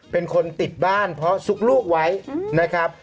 เป็นคนติดบ้านเพราะซุกลูกไว้นะครับ